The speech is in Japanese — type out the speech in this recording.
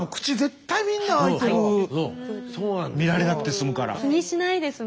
見られなくて済むから。